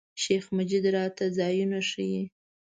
شیخ مجید راته ځایونه ښیي.